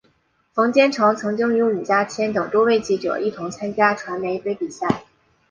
冯坚成曾经与伍家谦等多位记者一同参加传媒杯比赛。